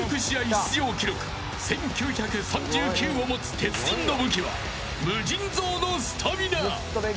出場記録１９３９を持つ鉄人の武器は無尽蔵のスタミナ。